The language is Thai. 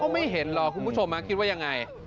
ไม่เห็นหรอกคุณผู้ชมคิดว่ายังไง